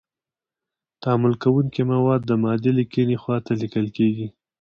تعامل کوونکي مواد د معادلې کیڼې خواته لیکل کیږي.